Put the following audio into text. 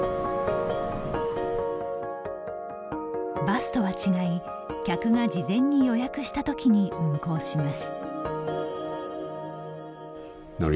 バスとは違い、客が事前に予約したときに運行します。